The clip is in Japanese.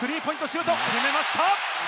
シュート決めました！